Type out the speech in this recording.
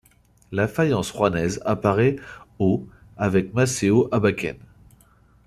La faïence rouennaise apparaît au avec Masseot Abaquesne.